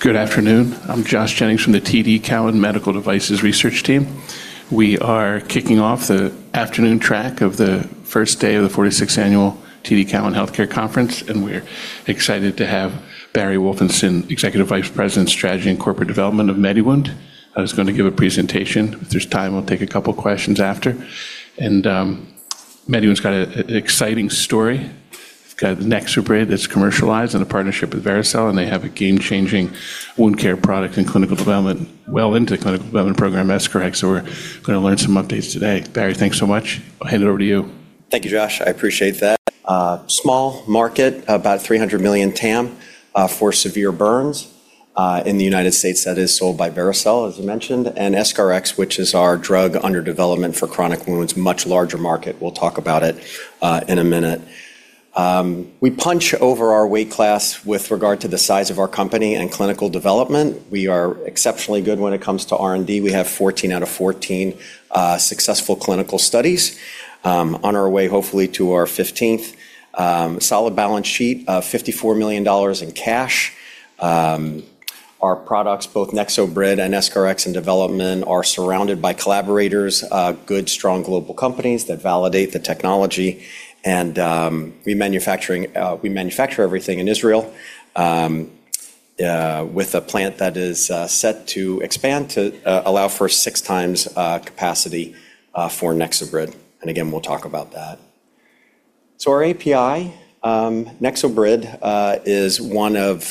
Good afternoon. I'm Josh Jennings from the TD Cowen Medical Devices Research Team. We are kicking off the afternoon track of the first day of the 46th Annual TD Cowen Health Care Conference. We're excited to have Barry Wolfenson, Executive Vice President, Strategy and Corporate Development of MediWound. I was gonna give a presentation. If there's time, we'll take a couple questions after. MediWound's got an exciting story. It's got NexoBrid that's commercialized and a partnership with Vericel, and they have a game-changing wound care product in clinical development, well into the clinical development program, EscharEx. We're gonna learn some updates today. Barry, thanks so much. I'll hand it over to you. Thank you, Josh. I appreciate that. Small market, about $300 million TAM for severe burns in the United States that is sold by Vericel, as you mentioned, and EscharEx, which is our drug under development for chronic wounds, much larger market. We'll talk about it in a minute. We punch over our weight class with regard to the size of our company and clinical development. We are exceptionally good when it comes to R&D. We have 14 out of 14 successful clinical studies on our way, hopefully, to our 15th. Solid balance sheet of $54 million in cash. Our products, both NexoBrid and EscharEx in development, are surrounded by collaborators, good, strong global companies that validate the technology. We manufacture everything in Israel with a plant that is set to expand to allow for six times capacity for NexoBrid. Again, we'll talk about that. Our API, NexoBrid, is one of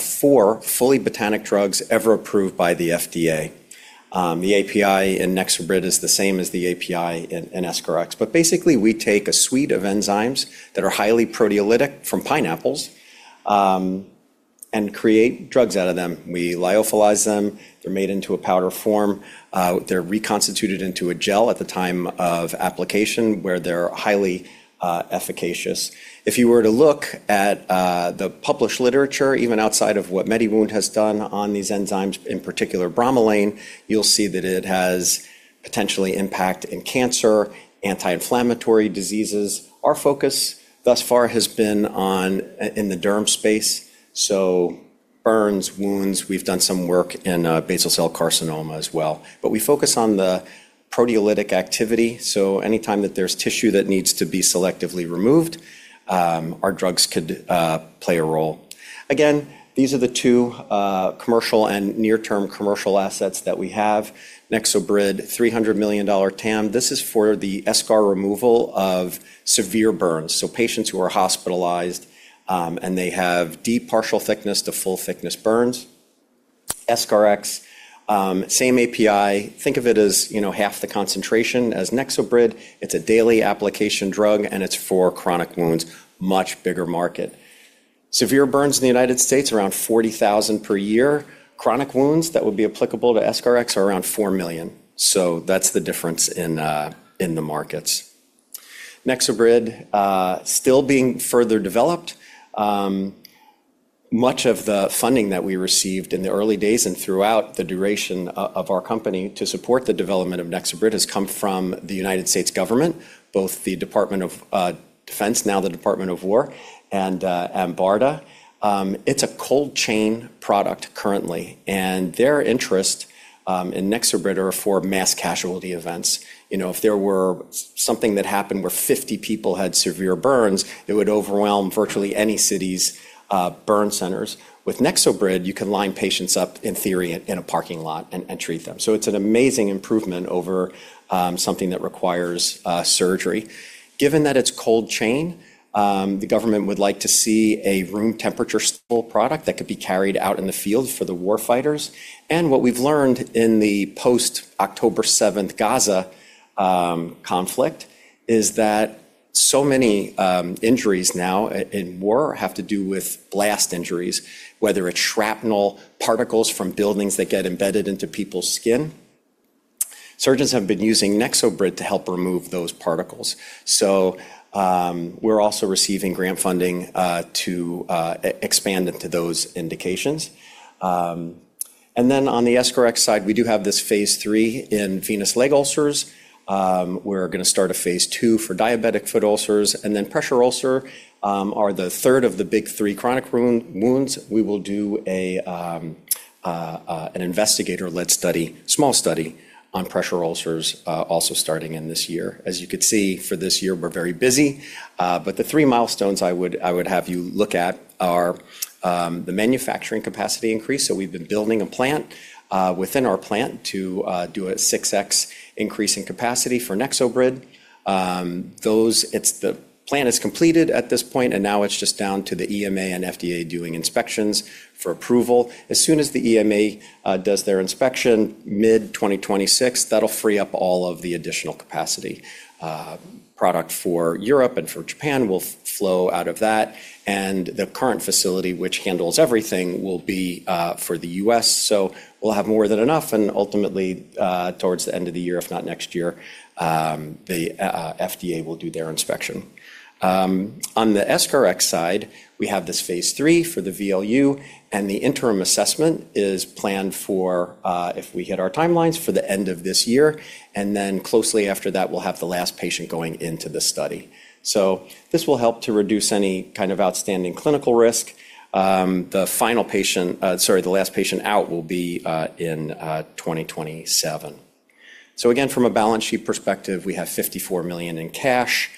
four fully botanic drugs ever approved by the FDA. The API in NexoBrid is the same as the API in EscharEx. Basically, we take a suite of enzymes that are highly proteolytic from pineapples and create drugs out of them. We lyophilize them. They're made into a powder form. They're reconstituted into a gel at the time of application where they're highly efficacious. If you were to look at the published literature, even outside of what MediWound has done on these enzymes, in particular bromelain, you'll see that it has potentially impact in cancer, anti-inflammatory diseases. Our focus thus far has been on in the derm space, so burns, wounds. We've done some work in basal cell carcinoma as well. We focus on the proteolytic activity, so anytime that there's tissue that needs to be selectively removed, our drugs could play a role. Again, these are the two commercial and near-term commercial assets that we have. NexoBrid, $300 million TAM. This is for the eschar removal of severe burns, so patients who are hospitalized, and they have deep partial thickness to full thickness burns. EscharEx, same API. Think of it as, you know, half the concentration as NexoBrid. It's a daily application drug, it's for chronic wounds. Much bigger market. Severe burns in the United States, around 40,000 per year. Chronic wounds that would be applicable to EscharEx are around 4 million. That's the difference in the markets. NexoBrid, still being further developed. Much of the funding that we received in the early days and throughout the duration of our company to support the development of NexoBrid has come from the United States Government, both the Department of Defense, now the Department of War, and BARDA. It's a cold chain product currently, their interest in NexoBrid are for mass casualty events. You know, if there were something that happened where 50 people had severe burns, it would overwhelm virtually any city's burn centers. With NexoBrid, you can line patients up, in theory, in a parking lot and treat them. It's an amazing improvement over something that requires surgery. Given that it's cold chain, the government would like to see a room temperature-stable product that could be carried out in the field for the war fighters. What we've learned in the post October 7th Gaza conflict is that so many injuries now in war have to do with blast injuries, whether it's shrapnel, particles from buildings that get embedded into people's skin. Surgeons have been using NexoBrid to help remove those particles. We're also receiving grant funding to expand into those indications. On the EscharEx side, we do have this phase III in venous leg ulcers. We're going to start a phase II for diabetic foot ulcers. Pressure ulcers are the third of the big three chronic wounds. We will do an investigator-led study, small study on pressure ulcers, also starting in this year. As you can see, for this year, we're very busy. The three milestones I would have you look at are the manufacturing capacity increase. We've been building a plant within our plant to do a 6X increase in capacity for NexoBrid. Plan is completed at this point, and now it's just down to the EMA and FDA doing inspections for approval. As soon as the EMA does their inspection mid-2026, that'll free up all of the additional capacity. Product for Europe and for Japan will flow out of that. The current facility which handles everything will be for the U.S. We'll have more than enough, and ultimately, towards the end of the year, if not next year, the FDA will do their inspection. On the EscharEx side, we have this phase III for the VLU, and the interim assessment is planned for, if we hit our timelines, for the end of this year. Closely after that, we'll have the last patient going into the study. This will help to reduce any kind of outstanding clinical risk. The last patient out will be in 2027. Again, from a balance sheet perspective, we have $54 million in cash.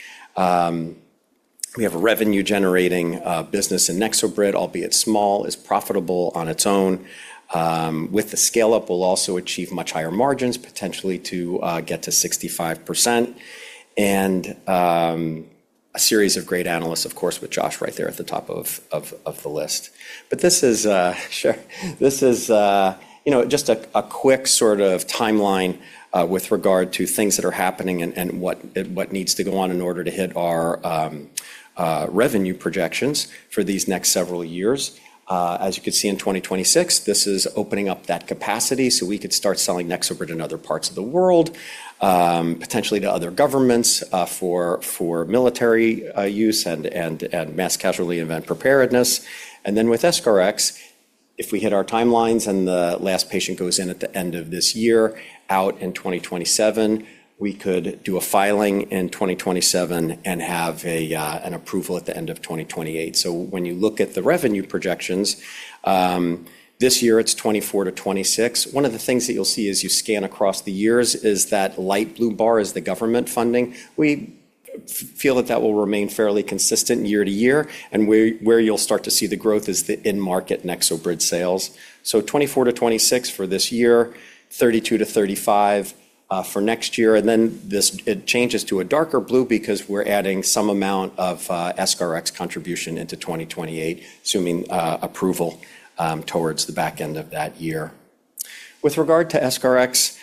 We have a revenue-generating business in NexoBrid, albeit small, is profitable on its own. With the scale-up, we'll also achieve much higher margins, potentially to get to 65%. A series of great analysts, of course, with Josh right there at the top of the list. This is, sure, this is, you know, just a quick sort of timeline with regard to things that are happening and what needs to go on in order to hit our revenue projections for these next several years. As you can see in 2026, this is opening up that capacity, so we could start selling NexoBrid in other parts of the world, potentially to other governments for military use and mass casualty event preparedness. With EscharEx, if we hit our timelines and the last patient goes in at the end of this year, out in 2027, we could do a filing in 2027 and have an approval at the end of 2028. When you look at the revenue projections, this year it's $24 million-$26 million. One of the things that you'll see as you scan across the years is that light blue bar is the government funding. We feel that that will remain fairly consistent year-to-year, and where you'll start to see the growth is the in-market NexoBrid sales. $24 million-$26 million for this year, $32 million-$35 million for next year, and then it changes to a darker blue because we're adding some amount of EscharEx contribution into 2028, assuming approval towards the back end of that year. With regard to EscharEx,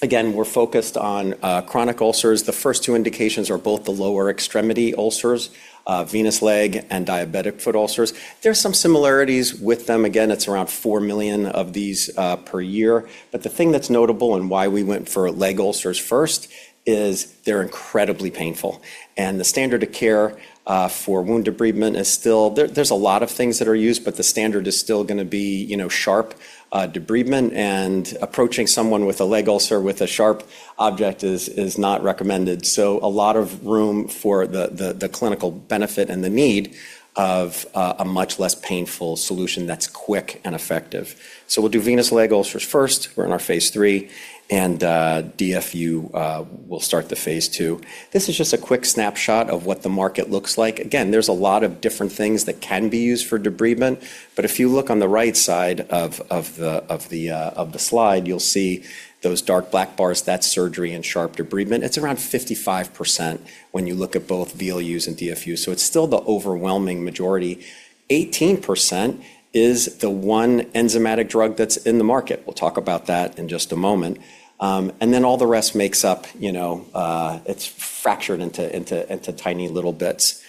again, we're focused on chronic ulcers. The first two indications are both the lower extremity ulcers, venous leg and diabetic foot ulcers. There are some similarities with them. Again, it's around $4 million of these per year. The thing that's notable and why we went for leg ulcers first is they're incredibly painful. The standard of care for wound debridement is still a lot of things that are used, but the standard is still gonna be, you know, sharp debridement, and approaching someone with a leg ulcer with a sharp object is not recommended. A lot of room for the clinical benefit and the need of a much less painful solution that's quick and effective. We'll do venous leg ulcers first. We're in our phase three. DFU we'll start the phase two. This is just a quick snapshot of what the market looks like. Again, there's a lot of different things that can be used for debridement, but if you look on the right side of the slide, you'll see those dark black bars. That's surgery and sharp debridement. It's around 55% when you look at both VLU and DFU, so it's still the overwhelming majority. 18% is the one enzymatic drug that's in the market. We'll talk about that in just a moment. All the rest makes up, you know, it's fractured into tiny little bits.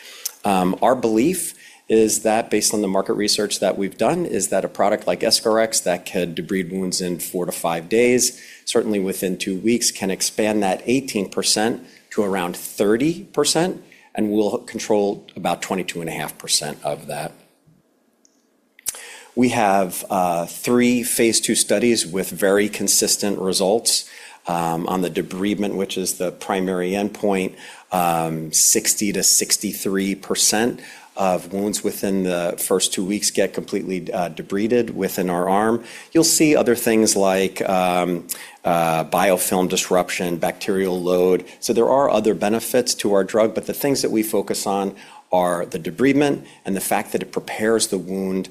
Our belief is that based on the market research that we've done, is that a product like EscharEx that could debride wounds in four to five days, certainly within two weeks, can expand that 18% to around 30% and will control about 22.5% of that. We have three phase II studies with very consistent results on the debridement, which is the primary endpoint. 60%-63% of wounds within the first two weeks get completely debrided within our arm. You'll see other things like, biofilm disruption, bacterial load. There are other benefits to our drug, but the things that we focus on are the debridement and the fact that it prepares the wound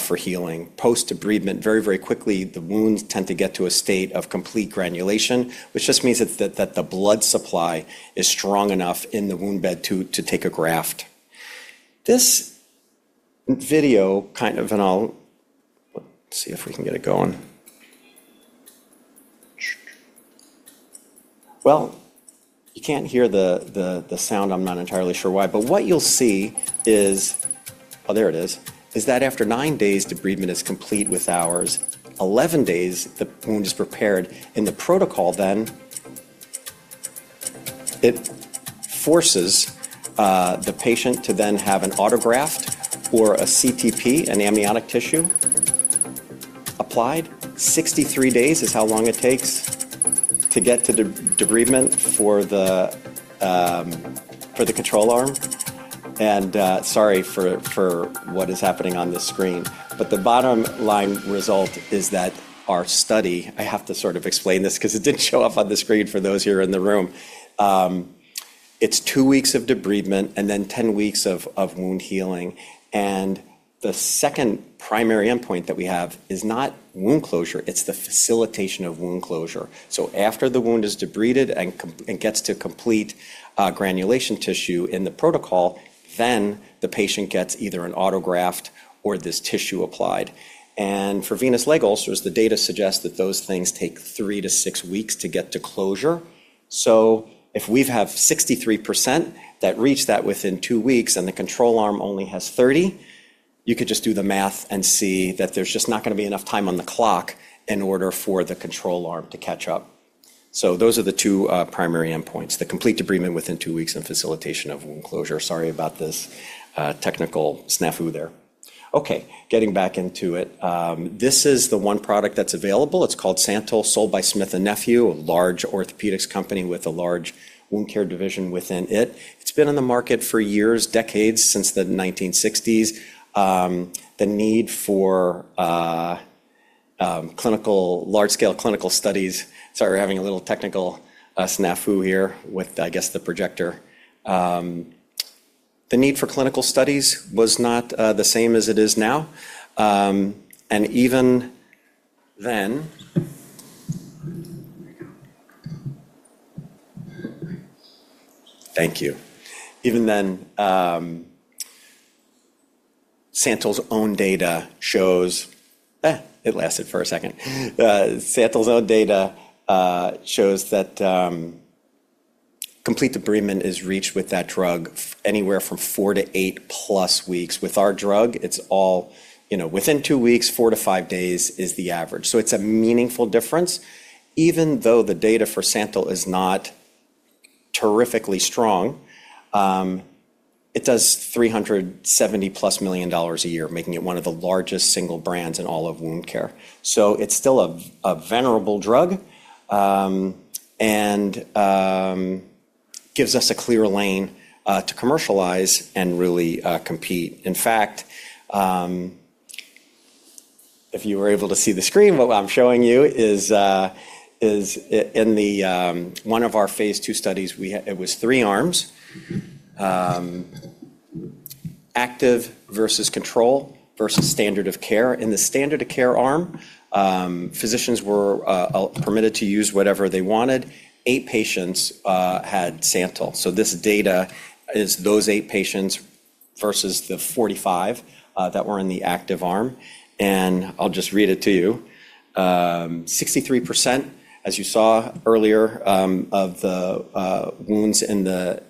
for healing. Post-debridement, very quickly the wounds tend to get to a state of complete granulation, which just means that the blood supply is strong enough in the wound bed to take a graft. This video. Let's see if we can get it going. Well, you can't hear the sound. I'm not entirely sure why. What you'll see is. Oh, there it is. Is that after nine days, debridement is complete with ours. 11 days, the wound is prepared. In the protocol, it forces the patient to then have an autograft or a CTP, an amniotic tissue applied. 63 days is how long it takes to get to debridement for the control arm. Sorry for what is happening on this screen. The bottom line result is that our study-- I have to sort of explain this 'cause it didn't show up on the screen for those here in the room. It's two weeks of debridement and then 10 weeks of wound healing. The second primary endpoint that we have is not wound closure, it's the facilitation of wound closure. After the wound is debrided and it gets to complete granulation tissue in the protocol, then the patient gets either an autograft or this tissue applied. For venous leg ulcers, the data suggests that those things take three-six weeks to get to closure. If we've 63% that reach that within two weeks and the control arm only has 30, you could just do the math and see that there's just not gonna be enough time on the clock in order for the control arm to catch up. Those are the two primary endpoints, the complete debridement within two weeks and facilitation of wound closure. Sorry about this technical snafu there. Okay, getting back into it. This is the one product that's available. It's called SANTYL, sold by Smith & Nephew, a large orthopedics company with a large wound care division within it. It's been on the market for years, decades, since the 1960s. The need for large scale clinical studies. Sorry, we're having a little technical snafu here with, I guess, the projector. The need for clinical studies was not the same as it is now. Even then... Thank you. Even then, SANTYL's own data shows... It lasted for a second. SANTYL's own data shows that complete debridement is reached with that drug anywhere from 4 to 8+ weeks. With our drug, it's all, you know, within two weeks, four-five days is the average. It's a meaningful difference. Even though the data for SANTYL is not terrifically strong, it does $370+ million a year, making it one of the largest single brands in all of wound care. It's still a venerable drug, and gives us a clear lane to commercialize and really compete. In fact, if you were able to see the screen, what I'm showing you is in the one of our phase two studies it was three arms. Active versus control versus standard of care. In the standard of care arm, physicians were permitted to use whatever they wanted. Eight patients had SANTYL. This data is those eight patients versus the 45 that were in the active arm. I'll just read it to you. 63%, as you saw earlier, of the wounds in the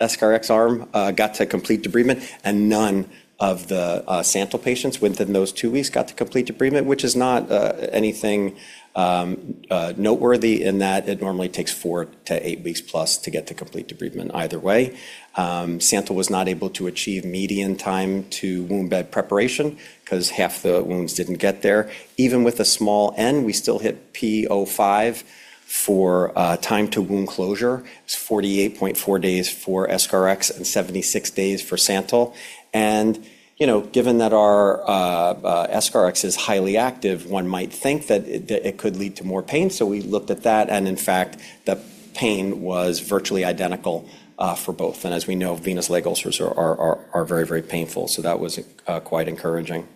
EscharEx arm got to complete debridement and none of the SANTYL patients within those two weeks got to complete debridement, which is not anything noteworthy in that it normally takes four to eight weeks plus to get to complete debridement either way. SANTYL was not able to achieve median time to wound bed preparation 'cause half the wounds didn't get there. Even with a small N, we still hit p < .05 for time to wound closure. It's 48.4 days for EscharEx and 76 days for SANTYL. You know, given that our EscharEx is highly active, one might think that it could lead to more pain, so we looked at that, and in fact, the pain was virtually identical for both. As we know, venous leg ulcers are very, very painful. That was quite encouraging.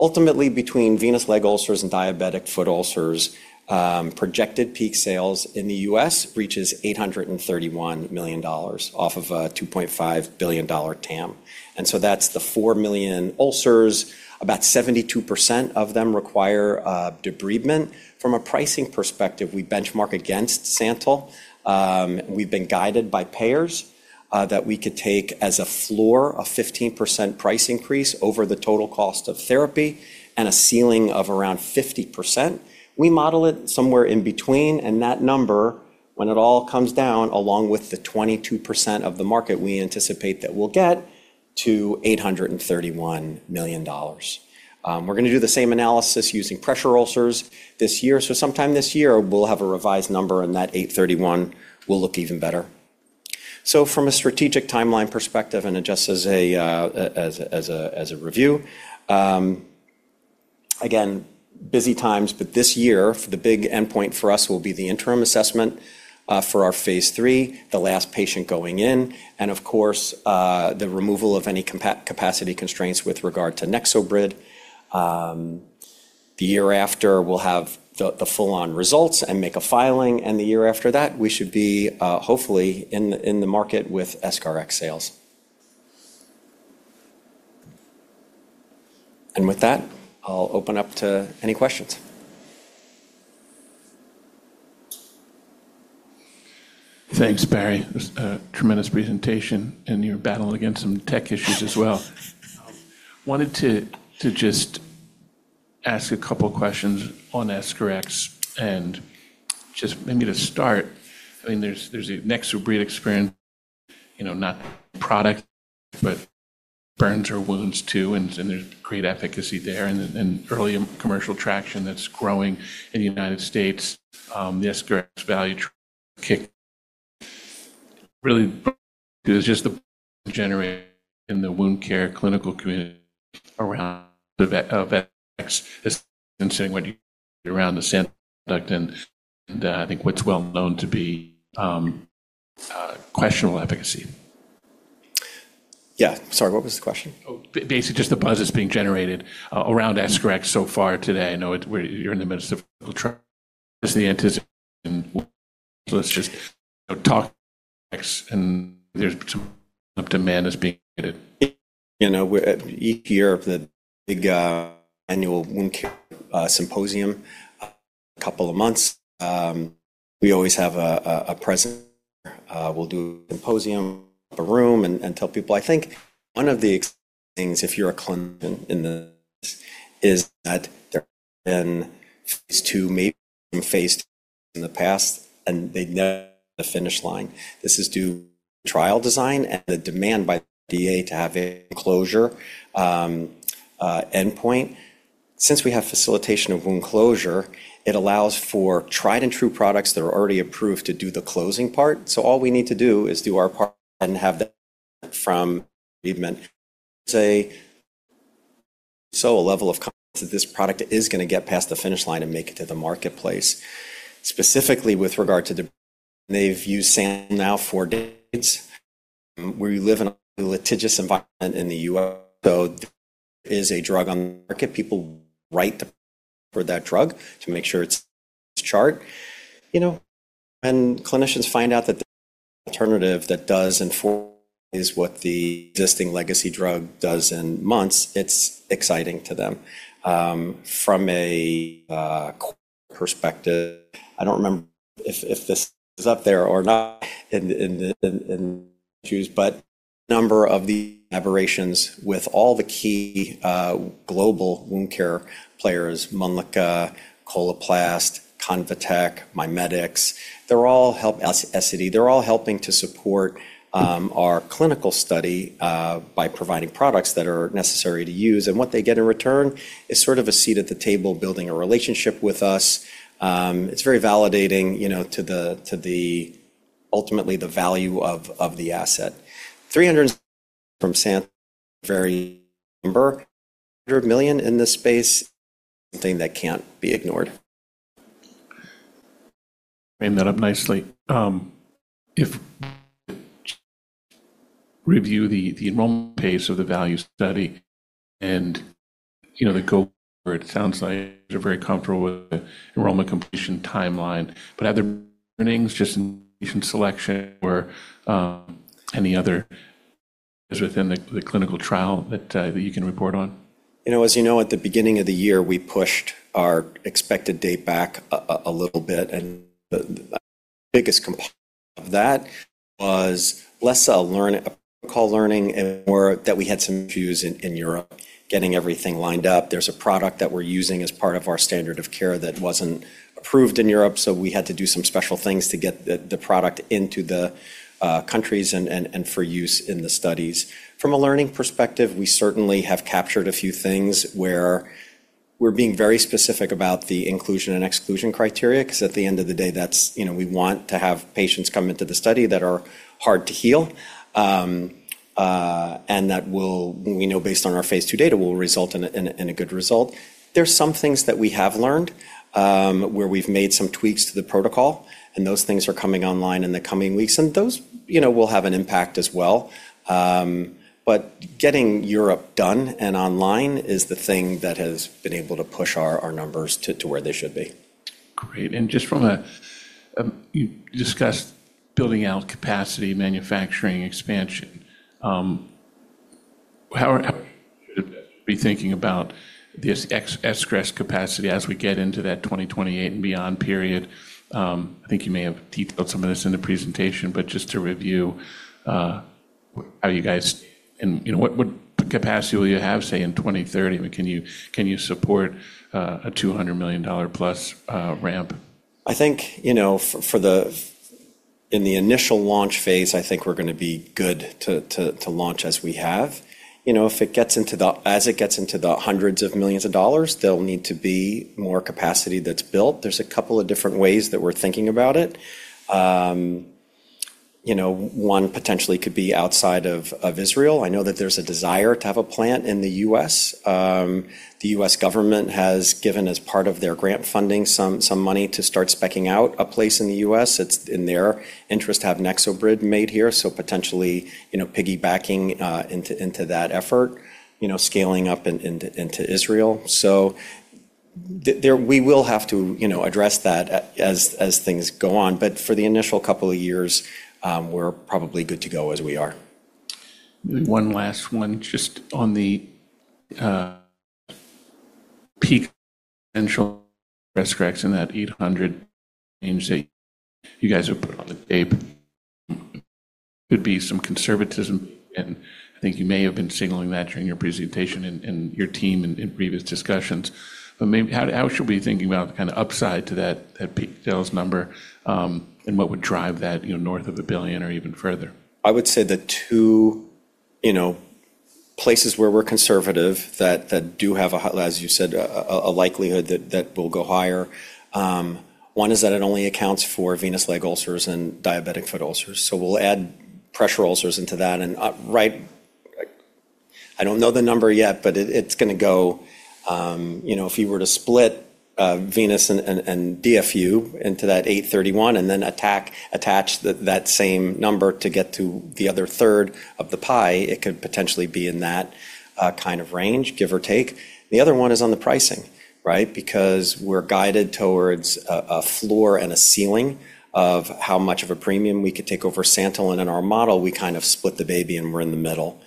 Ultimately, between venous leg ulcers and diabetic foot ulcers, projected peak sales in the U.S. reaches $831 million off of a $2.5 billion TAM. That's the 4 million ulcers. About 72% of them require debridement. From a pricing perspective, we benchmark against SANTYL. We've been guided by payers that we could take as a floor a 15% price increase over the total cost of therapy and a ceiling of around 50%. We model it somewhere in between, and that number, when it all comes down, along with the 22% of the market we anticipate that we'll get to $831 million. We're gonna do the same analysis using pressure ulcers this year. Sometime this year we'll have a revised number, and that $831 million will look even better. From a strategic timeline perspective, just as a review, again, busy times, this year the big endpoint for us will be the interim assessment for our phase III, the last patient going in, and of course, the removal of any capacity constraints with regard to NexoBrid. The year after we'll have the full-on results and make a filing, the year after that, we should be hopefully in the market with EscharEx sales. With that, I'll open up to any questions. Thanks, Barry. It was a tremendous presentation, and you're battling against some tech issues as well. Wanted to just ask a couple questions on EscharEx. Just maybe to start, I mean, there's a NexoBrid experience, you know, not product, but burns or wounds too, and there's great efficacy there and early commercial traction that's growing in the United States. The EscharEx value kick really is just the generator in the wound care clinical community around the EscharEx is considering when you around the same product and I think what's well known to be questionable efficacy. Yeah. Sorry, what was the question? Basic, just the buzz that's being generated around EscharEx so far today. I know you're in the midst of clinical trial. What's the anticipation? Let's just talk EscharEx and there's some demand that's being created. You know, we're at each year of the big annual wound care symposium, a couple of months. We always have a presenter. We'll do a symposium, a room, and tell people. I think one of the exciting things if you're a clinician is that there have been phase II, maybe phase III in the past, and they never hit the finish line. This is due to trial design and the demand by the FDA to have a closure endpoint. Since we have facilitation of wound closure, it allows for tried and true products that are already approved to do the closing part. All we need to do is do our part and have theFrom even say so a level of confidence that this product is gonna get past the finish line and make it to the marketplace. Specifically with regard to they've used SANTYL now for days. We live in a litigious environment in the U.S., so there is a drug on the market. People write for that drug to make sure it's chart. You know, when clinicians find out that the alternative that does in four is what the existing legacy drug does in months, it's exciting to them. From a perspective, I don't remember if this is up there or not in Qs, but number of the aberrations with all the key global wound care players, Mölnlycke, Coloplast, ConvaTec, MiMedx, they're all SD, they're all helping to support our clinical study by providing products that are necessary to use. What they get in return is sort of a seat at the table building a relationship with us. It's very validating, you know, to the, to the ultimately the value of the asset. $300 from San very number million in this space, something that can't be ignored. Framed that up nicely. If review the enrollment pace of the value study and, you know, the cohort, it sounds like you're very comfortable with enrollment completion timeline. Are there learnings just in selection or, any other within the clinical trial that you can report on? You know, as you know, at the beginning of the year, we pushed our expected date back a little bit, and the biggest component of that was less a protocol learning and more that we had some issues in Europe getting everything lined up. There's a product that we're using as part of our standard of care that wasn't approved in Europe, so we had to do some special things to get the product into the countries and for use in the studies. From a learning perspective, we certainly have captured a few things where we're being very specific about the inclusion and exclusion criteria 'cause at the end of the day that's, you know, we want to have patients come into the study that are hard to heal, and that will, we know based on our phase two data, will result in a, in a, in a good result. There's some things that we have learned, where we've made some tweaks to the protocol, those things are coming online in the coming weeks. Those, you know, will have an impact as well. Getting Europe done and online is the thing that has been able to push our numbers to where they should be. Great. Just from a, you discussed building out capacity, manufacturing expansion, how are you thinking about the excess capacity as we get into that 2028 and beyond period. I think you may have detailed some of this in the presentation, just to review, how are you guys and, you know, what capacity will you have, say, in 2030? Can you support a $200 million plus ramp? I think, you know, in the initial launch phase, I think we're gonna be good to launch as we have. You know, as it gets into the hundreds of millions of dollars, there'll need to be more capacity that's built. There's a couple of different ways that we're thinking about it. You know, one potentially could be outside of Israel. I know that there's a desire to have a plant in the U.S. The U.S. government has given as part of their grant funding some money to start speccing out a place in the U.S. It's in their interest to have NexoBrid made here, so potentially, you know, piggybacking into that effort, you know, scaling up into Israel. So there we will have to, you know, address that as things go on. For the initial couple of years, we're probably good to go as we are. One last one just on the peak central breast cracks in that $800 AMSA you guys have put on the tape could be some conservatism, and I think you may have been signaling that during your presentation and your team in previous discussions. How should we be thinking about kind of upside to that peak sales number, and what would drive that, you know, north of $1 billion or even further? I would say the two places where we're conservative that do have a, as you said, a likelihood that will go higher. One is that it only accounts for venous leg ulcers and diabetic foot ulcers. We'll add pressure ulcers into that and I don't know the number yet, but it's gonna go, if you were to split venous and DFU into that 831 and then attach that same number to get to the other third of the pie, it could potentially be in that kind of range, give or take. The other one is on the pricing, right? Because we're guided towards a floor and a ceiling of how much of a premium we could take over SANTYL. In our model, we kind of split the baby, and we're in the middle.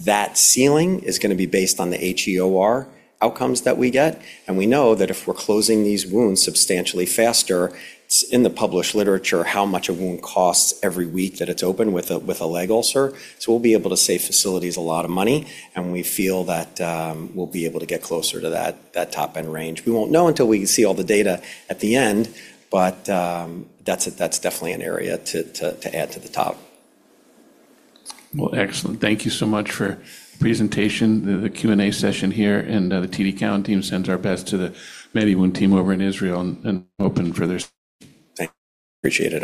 That ceiling is gonna be based on the HEOR outcomes that we get, and we know that if we're closing these wounds substantially faster, it's in the published literature how much a wound costs every week that it's open with a leg ulcer. We'll be able to save facilities a lot of money, and we feel that we'll be able to get closer to that top-end range. We won't know until we see all the data at the end, but that's definitely an area to add to the top. Well, excellent. Thank you so much for presentation, the Q&A session here, The TD Cowen team sends our best to the MediWound team over in Israel and open for their. Thank you. Appreciate it.